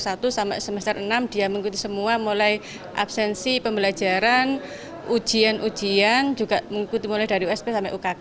satu sampai semester enam dia mengikuti semua mulai absensi pembelajaran ujian ujian juga mengikuti mulai dari usp sampai ukk